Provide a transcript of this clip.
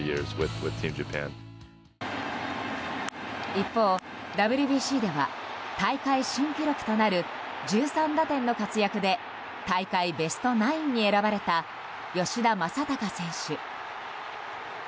一方、ＷＢＣでは大会新記録となる１３打点の活躍で大会ベスト９に選ばれた吉田正尚選手。